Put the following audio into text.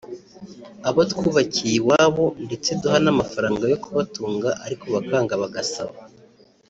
abo twubakiye iwabo ndetse duha n’amafaranga yo kubatunga ariko bakanga bagasaba